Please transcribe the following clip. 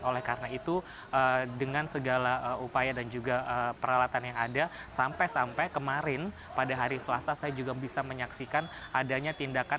oleh karena itu dengan segala upaya dan juga peralatan yang ada sampai sampai kemarin pada hari selasa saya juga bisa menyaksikan adanya tindakan